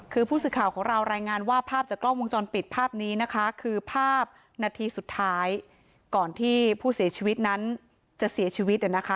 คือผู้สื่อข่าวของเรารายงานว่าภาพจากกล้องวงจรปิดภาพนี้นะคะคือภาพนาทีสุดท้ายก่อนที่ผู้เสียชีวิตนั้นจะเสียชีวิตนะคะ